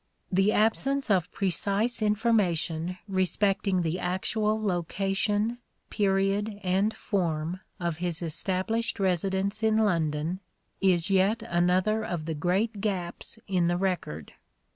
The absence of precise information respecting the actual location, period and form of his established residence in London is yet another of the great gaps in the record.